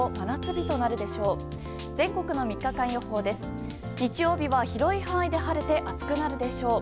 日曜日は、広い範囲で晴れて暑くなるでしょう。